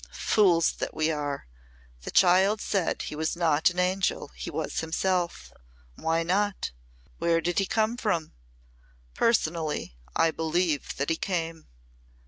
fools that we are! The child said he was not an angel he was himself. Why not? Where did he come from? Personally I believe that he came."